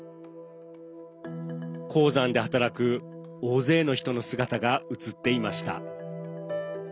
鉱山で働く大勢の人の姿が映っていました。